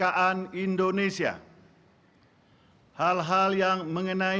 tanda kebesaran buka